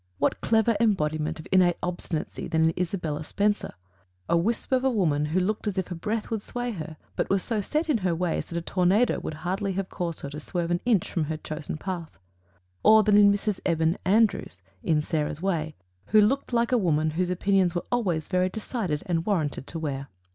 What cleverer embodiment of innate obstinacy than in Isabella Spencer "a wisp of a woman who looked as if a breath would sway her but was so set in her ways that a tornado would hardly have caused her to swerve an inch from her chosen path;" or than in Mrs. Eben Andrews (in "Sara's Way") who "looked like a woman whose opinions were always very decided and warranted to wear!"